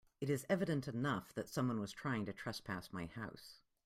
It is evident enough that someone was trying to trespass my house.